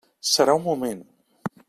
Serà un moment.